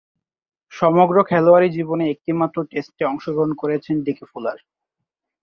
সমগ্র খেলোয়াড়ী জীবনে একটিমাত্র টেস্টে অংশগ্রহণ করেছেন ডিকি ফুলার।